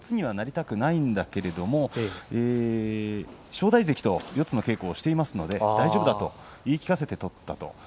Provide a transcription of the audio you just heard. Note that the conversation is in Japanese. やはり四つにはなりたくないんだけれども正代関と四つの稽古をしていますので大丈夫だと思っていました。